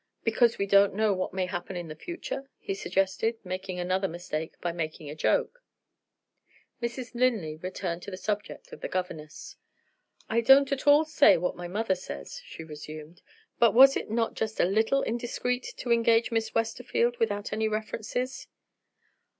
"Because we don't know what may happen in the future?" he suggested; making another mistake by making a joke. Mrs. Linley returned to the subject of the governess. "I don't at all say what my mother says," she resumed; "but was it not just a little indiscreet to engage Miss Westerfield without any references?"